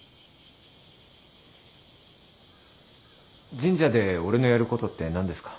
神社で俺のやることって何ですか？